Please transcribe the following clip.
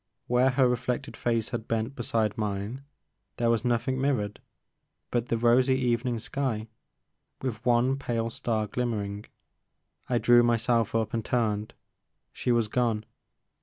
Where her reflected face had bent beside mine there was nothing mirrored but the rosy evening sky with one pale star glimmer ing. I drew myself up and turned. She was gone.